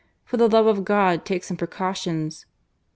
For the love of God, take some pre cautions!